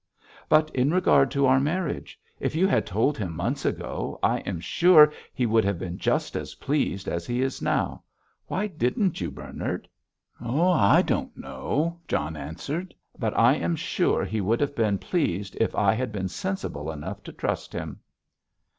"But in regard to our marriage. If you had told him months ago, I am sure he would have been just as pleased as he is now. Why didn't you, Bernard?" "I don't know," John answered. "But I am sure he would have been pleased if I had been sensible enough to trust him."